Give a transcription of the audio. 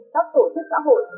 các tổ chức xã hội